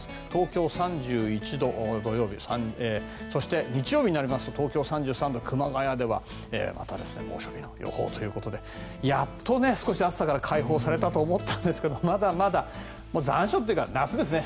東京３１度土曜日そして日曜日になりますと３３度熊谷ではまた猛暑日の予報ということでやっと少し暑さから解放されたと思ったんですがまだまだ残暑という感じですね。